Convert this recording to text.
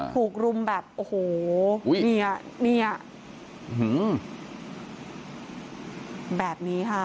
ถูกรุมแบบโอ้โหเนี่ยแบบนี้ค่ะ